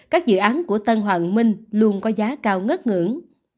các dự án của tân hoàng minh luôn có giá cao ngất ngưỡng